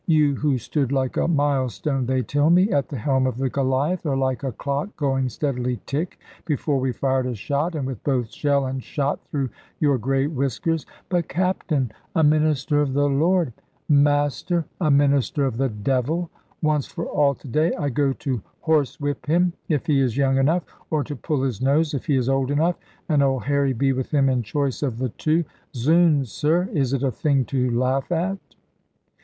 You who stood like a mile stone, they tell me, at the helm of the Goliath, or like a clock going steadily tick, before we fired a shot, and with both shell and shot through your grey whiskers " "But, Captain, a minister of the Lord " "Master, a minister of the devil once for all, to day I go to horsewhip him, if he is young enough; or to pull his nose if he is old enough, and Old Harry be with him in choice of the two? Zounds, sir, is it a thing to laugh at?"